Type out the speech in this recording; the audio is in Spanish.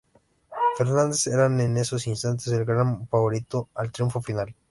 Fernández era en esos instantes el gran favorito al triunfo final.